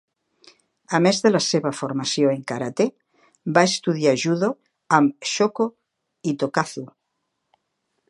A més de la seva formació en karate, va estudiar judo amb Shoko Itokazu.